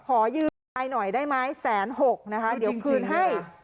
ขอยืมไอหน่อยได้ไหมแสนหกนะคะเดี๋ยวคืนให้